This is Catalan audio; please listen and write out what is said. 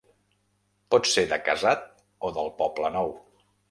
Pot ser de casat o del Poblenou.